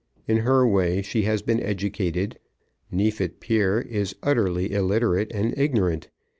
In her way, she has been educated. Neefit père is utterly illiterate and ignorant.